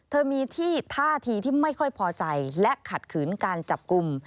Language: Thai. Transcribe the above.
เธอมีที่ท่าทีที่ไม่ค่อยพอใจและขัดขืนการจับกลุ่ม